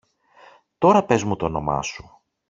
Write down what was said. Τώρα πες μου τ' όνομα σου.